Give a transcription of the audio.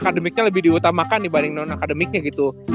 akademiknya lebih diutamakan dibanding non akademiknya gitu